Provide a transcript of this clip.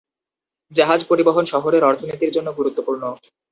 জাহাজ পরিবহন শহরের অর্থনীতির জন্য গুরুত্বপূর্ণ।